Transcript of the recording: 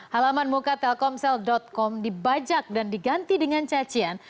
halaman muka telkomsel com dibajak dan diganti dengan cacian